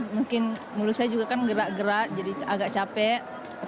mungkin mulut saya juga kan gerak gerak jadi agak capek